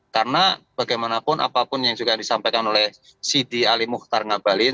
karena bagaimanapun apapun yang juga disampaikan oleh sidi ali muhtar ngabalin